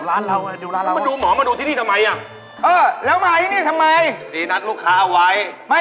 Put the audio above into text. ร้านเราเองร้านเรา